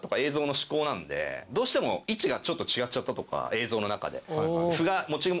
映像の中で。